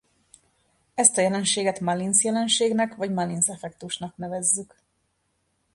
Ezt a jelenséget Mullins-jelenségnek vagy Mullins-effektusnak nevezzük.